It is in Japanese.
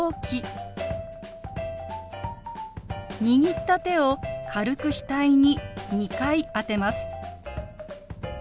握った手を軽く額に２回当てます。